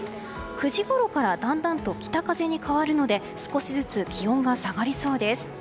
９時ごろからだんだんと北風に変わるので少しずつ気温が下がりそうです。